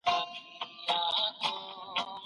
هغه يو سېب خوري.